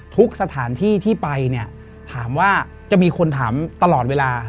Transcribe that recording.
ทุกสถานที่ที่ไปจะมีคนถามตลอดเวลา